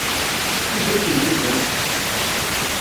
Anda ay tent-tuzamt?